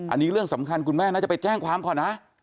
อันนี้เรื่องสำคัญคุณแม่น่าจะไปแจ้งความก่อนนะ